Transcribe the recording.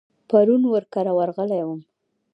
پرون ور کره ورغلی وم.